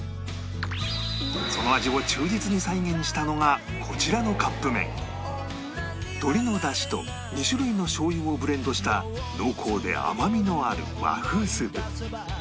その味を忠実に再現したのがこちらのカップ麺鶏の出汁と２種類のしょう油をブレンドした濃厚で甘みのある和風スープ